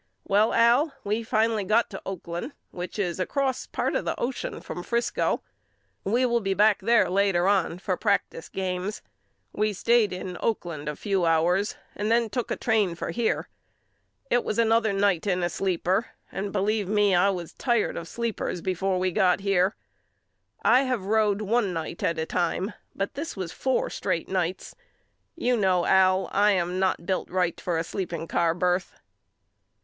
Well Al we finally got to Oakland which is across part of the ocean from Frisco. We will be back there later on for practice games. We stayed in Oakland a few hours and then took a train for here. It was another night in a sleeper and believe me I was tired of sleepers be fore we got here. I have road one night at a time but this was four straight nights. You know Al I am not built right for a sleeping car birth.